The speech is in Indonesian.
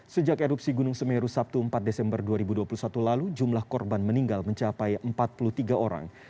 sejak erupsi gunung semeru sabtu empat desember dua ribu dua puluh satu lalu jumlah korban meninggal mencapai empat puluh tiga orang